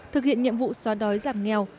thực hiện nhiệm vụ xóa đói giảm nghèo